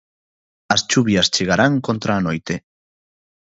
As chuvias chegarán contra a noite.